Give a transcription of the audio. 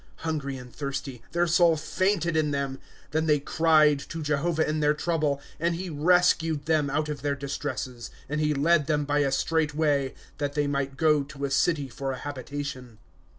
^ Hungry and thirsty, Their soul fainted in them. * Then they cried to Jehovah in their trouble, And he rescued them out of their distresses. ■^ And he led them by a straight way, That they might go to a city for a habitation.